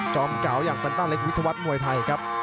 อมเก่าอย่างแปนต้าเล็กวิทยาวัฒน์มวยไทยครับ